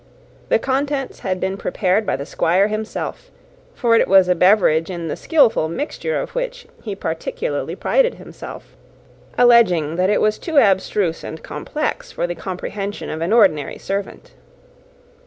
The contents had been prepared by the Squire himself; for it was a beverage in the skilful mixture of which he particularly prided himself, alleging that it was too abstruse and complex for the comprehension of an ordinary servant.